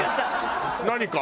「何か？」。